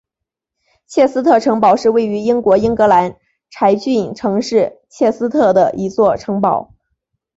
切斯特城堡是位于英国英格兰柴郡城市切斯特的一座城堡。